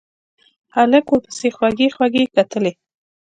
هلک ورپسې خوږې خوږې کتلې.